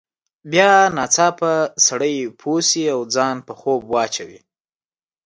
بیا ناڅاپه سړی پوه شي او ځان په خوب واچوي.